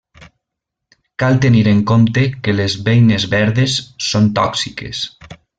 Cal tenir en compte que les beines verdes són tòxiques.